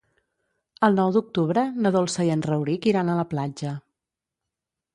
El nou d'octubre na Dolça i en Rauric iran a la platja.